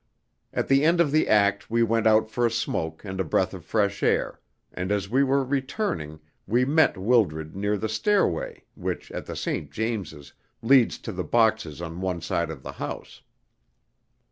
At the end of the act we went out for a smoke and a breath of fresh air, and as we were returning we met Wildred near the stairway which, at the St. James's, leads to the boxes on one side of the house.